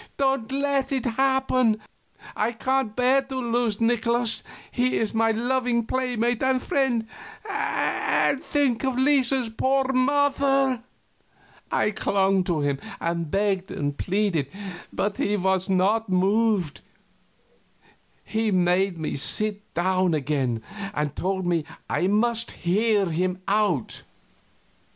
Don't let it happen. I can't bear to lose Nikolaus, he is my loving playmate and friend; and think of Lisa's poor mother!" I clung to him and begged and pleaded, but he was not moved. He made me sit down again, and told me I must hear him out.